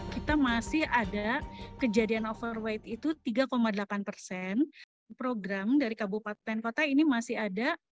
kita masih ada kejadian overweight itu tiga delapan persen program dari kabupaten kota ini masih ada